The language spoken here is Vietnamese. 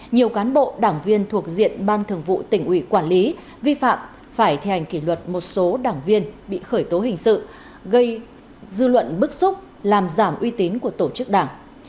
nhiều cán bộ đảng viên thuộc diện ban thường vụ tỉnh ủy quản lý vi phạm phải thi hành kỷ luật một số đảng viên bị khởi tố hình sự gây dư luận bức xúc làm giảm uy tín của tổ chức đảng